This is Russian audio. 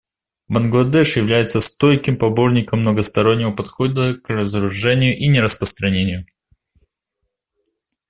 Бангладеш является стойким поборником многостороннего подхода к разоружению и нераспространению.